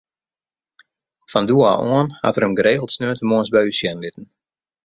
Fan doe ôf oan hat er him geregeld sneontemoarns by ús sjen litten.